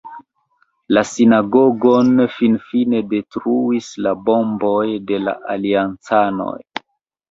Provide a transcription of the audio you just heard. La sinagogon finfine detruis la bomboj de la Aliancanoj.